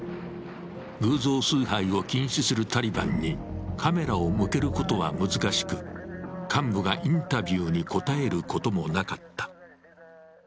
偶像崇拝を禁止するタリバンにカメラを向けることは難しく、幹部がインタビューに答えることもなかった。